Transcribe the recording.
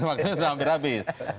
maksudnya sudah hampir habis